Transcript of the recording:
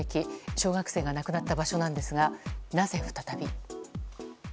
小学生が亡くなった場所なんですが、なぜ再び。